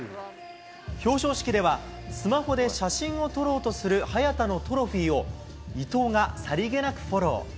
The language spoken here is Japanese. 表彰式では、スマホで写真を撮ろうとする早田のトロフィーを、伊藤がさりげなくフォロー。